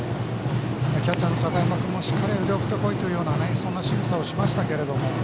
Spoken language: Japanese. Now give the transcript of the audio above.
キャッチャーの高山君もしっかり腕を振ってこいというそんなしぐさをしましたけれども。